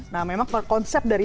nah memang konsep dari